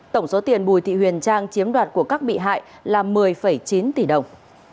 tổng số tiền bùi thị huyền trang chiếm đoạt của các bị hại là một mươi chín tỷ đồng